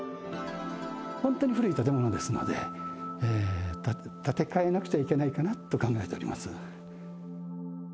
本当に古い建物ですので、建て替えなくちゃいけないかなと考えております。